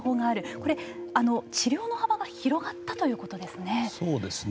これ、治療の幅が広がったということですね。